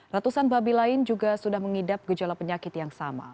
ratusan babi lain juga sudah mengidap gejala penyakit yang sama